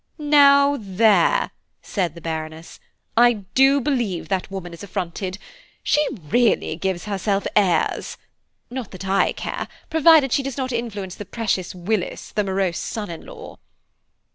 "Now there!" said the Baroness, "I do believe that woman is affronted. She really gives herself airs–not that I care, provided she does not influence the precious Willis, the morose son in law."